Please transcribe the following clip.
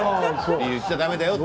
言っちゃだめだって。